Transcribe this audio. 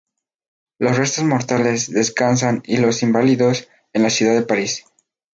Sus restos mortales descansan en Los Inválidos, en la ciudad de París.